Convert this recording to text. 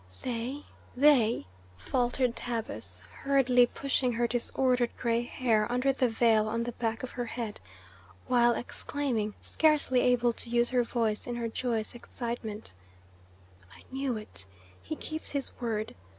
"They, they," faltered Tabus, hurriedly pushing her disordered gray hair under the veil on the back of her head, while exclaiming, scarcely able to use her voice in her joyous excitement: "I knew it. He keeps his word.